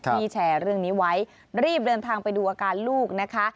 แชร์เรื่องนี้ไว้รีบเดินทางไปดูอาการลูกนะคะ